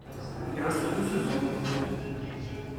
Il reste deux saisons en Bretagne.